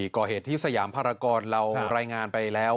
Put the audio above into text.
ก่อเหตุที่สยามภารกรเรารายงานไปแล้ว